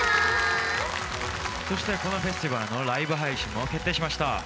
そしてこのフェスティバルのライブ配信も決定しました。